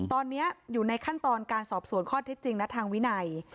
ตอนนี้อยู่ในขั้นตอนการสอบสวนข้อเท็จจริงและทางวินัย